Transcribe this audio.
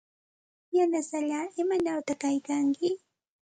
Yanasallaa, ¿imanawta kaykanki?